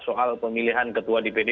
soal pemilihan ketua dpd